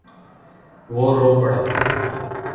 وہ رو پڑا۔